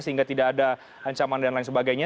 sehingga tidak ada ancaman dan lain sebagainya